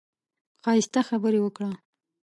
ښايسته خبرې وکړه.